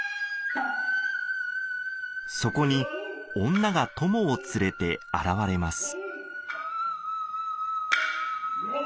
そこに女が供を連れて現れます。